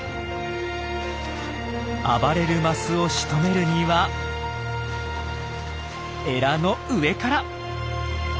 暴れるマスをしとめるにはエラの上から！